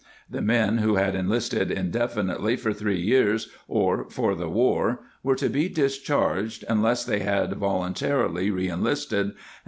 The men who had enlisted indefinitely for three years or for the war were to be discharged unless they had voluntarily reenlisted, and where the orig 1 Wayne.